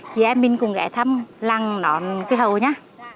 chị em mình cùng ghé thăm làng nón quy hầu nhé